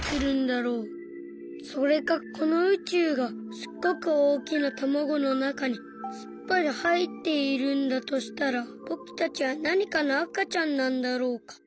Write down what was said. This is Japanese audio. それかこのうちゅうがすっごくおおきなたまごのなかにすっぽりはいっているんだとしたらぼくたちはなにかのあかちゃんなんだろうか。